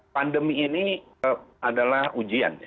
pandemi ini adalah ujian